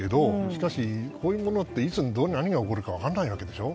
しかし、こういうものっていつ何が起こるか分からないわけでしょ。